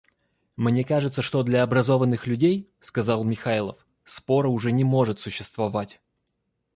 Мне кажется, что для образованных людей, — сказал Михайлов, — спора уже не может существовать.